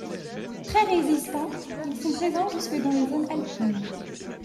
Très résistants, ils sont présents jusque dans les zones alpines.